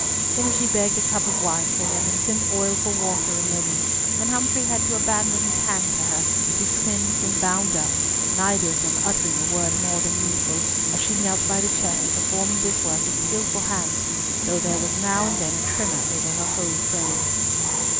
Then she begged a cup of wine for him, and sent Oil for water and linen, and Humfrey had to abandon his hand to her, to be cleansed and bound up, neither of them uttering a word more than needful, as she knelt by the chest performing this work with skilful hands, though there was now and then a tremor over her whole frame.